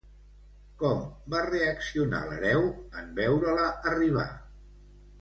Com va reaccionar l'hereu en veure-la arribar?